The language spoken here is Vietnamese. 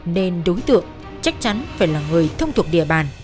nên đối tượng chắc chắn phải là người thông thuộc địa bàn